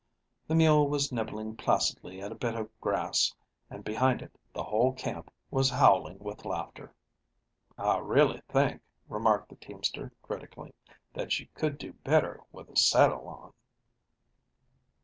The mule was nibbling placidly at a bit of grass, and behind it the whole camp was howling with laughter. "I really think," remarked the teamster critically, "that you could do better with a saddle on."